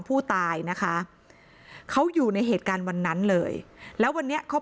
ผู้ตายนะคะเขาอยู่ในเหตุการณ์วันนั้นเลยแล้ววันนี้เขา